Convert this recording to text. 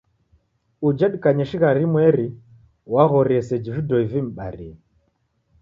Uja dikanye shighadi imweri waghorie seji vidoi vim'barie.